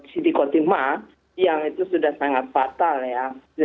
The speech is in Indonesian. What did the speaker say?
siti kotimah yang itu sudah sangat fatal ya